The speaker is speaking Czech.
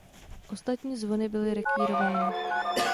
Ostatní zvony byly rekvírovány.